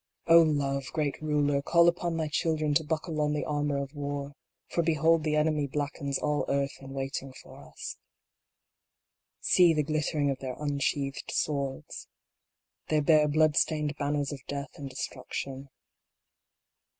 O Love, Great Ruler, call upon thy children to buckle on the armor of war, for behold the enemy blackens all earth in waiting for us. See the glittering of their unsheathed swords. They bear blood stained banners of death and destruc tion.